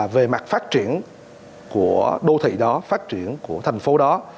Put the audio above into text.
về mặt phát triển của đô thị đó phát triển của thành phố đó